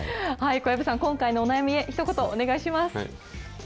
小籔さん、今回のお悩みへ、ひと言、お願いします。